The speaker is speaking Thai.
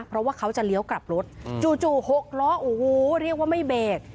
เพราะว่าเขาจะเลี้ยวกลับรถจู่๖ล้อโอ้โหเรียกว่าไม่เบรก